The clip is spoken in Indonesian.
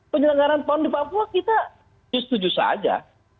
penyelenggaran pon di papua kita setuju saja